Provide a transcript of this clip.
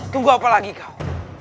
tunggu apa lagi kau